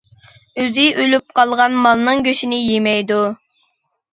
ئۆزى ئۆلۈپ قالغان مالنىڭ گۆشىنى يېمەيدۇ.